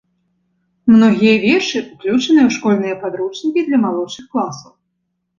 Многія вершы ўключаныя ў школьныя падручнікі для малодшых класаў.